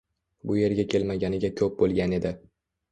Bu yerga kelmaganiga koʻp boʻlgan edi